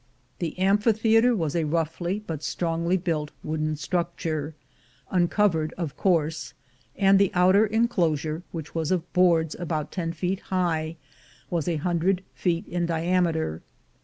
The amphitheater was a roughly but strongly built wooden structure, uncovered of course; and the outer enclosure, which was of boards about ten feet high, was a hundred feet in diameter.